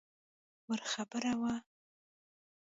وړه خبره وه.